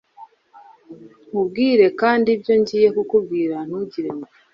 nkubwire kandi ibyo ngiye kukubwira ntugire ngo